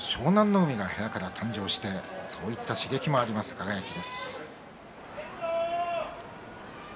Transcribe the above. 海が部屋から誕生してそういった刺激もあると思います。